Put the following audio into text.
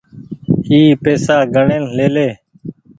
اي پئيسا گڻين ليلي ۔